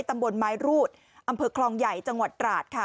ตำบลไม้รูดอำเภอคลองใหญ่จังหวัดตราดค่ะ